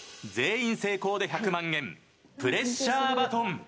全員成功で１００万円プレッシャーバトン。